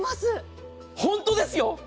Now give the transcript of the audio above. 本当ですよ。